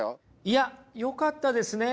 いやよかったですね。